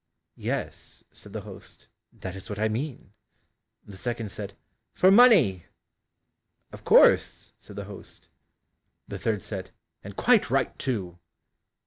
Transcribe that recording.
"Yes," said the host, "that is what I mean." The second said, "For money." "Of course," said the host. The third said, "And quite right too!"